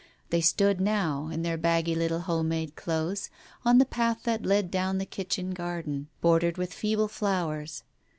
They stood now, in their baggy little home made clothes, on the path that led down the kitchen garden, bordered with feeble flowers.